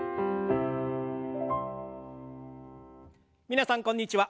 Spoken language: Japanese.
皆さんこんにちは。